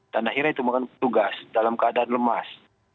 dan akhirnya itu bukan tugas dalam keadaan lemas